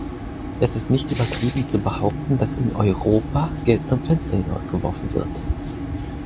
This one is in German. Es ist nicht übertrieben, zu behaupten, dass in "Europa" Geld zum Fenster hinausgeworfen wird.